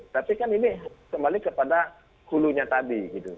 tapi kan ini kembali kepada hulunya tadi gitu